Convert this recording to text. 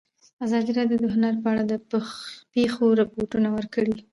ازادي راډیو د هنر په اړه د پېښو رپوټونه ورکړي.